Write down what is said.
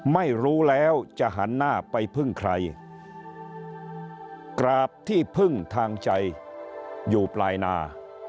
ไม่รู้แล้วจะหันหน้าไปพึ่งใครกราบที่พึ่งทางใจอยู่ปลายนา